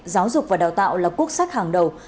giáo dục và đào tạo là quốc sách hàng đầu